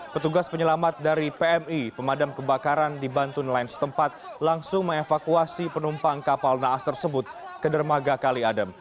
petugas penyelamat dari pmi pemadam kebakaran di bantu nelayan setempat langsung mengevakuasi penumpang kapal naas tersebut ke dermaga kali adem